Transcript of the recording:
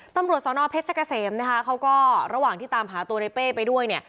ตำรวจสนเพชรเกษมเขาก็ระหว่างที่ตามหาตัวในเป้ไปด้วย